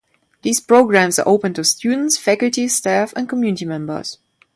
These programs are open to students, faculty, staff, and community members.